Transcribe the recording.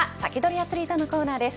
アツリートのコーナーです。